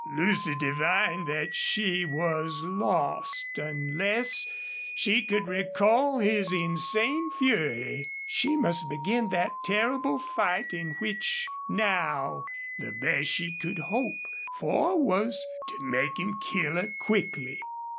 Lucy divined that she was lost unless she could recall his insane fury. She must begin that terrible fight in which now the best she could hope for was to make him kill her quickly.